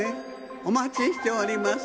おまちしております。